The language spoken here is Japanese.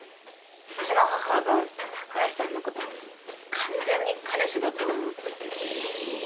うちの母が高橋さんのこと完全に彼氏だと思ってて。